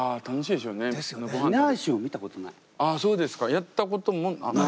やったことも？ない。